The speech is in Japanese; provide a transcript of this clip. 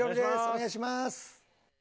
お願いします。